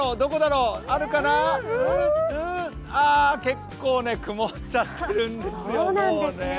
結構曇っちゃってるんですよ。